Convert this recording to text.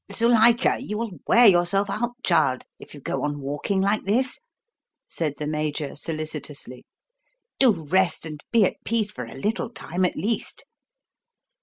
"Zuilika, you will wear yourself out, child, if you go on walking like this," said the Major solicitously. "Do rest and be at peace for a little time at least."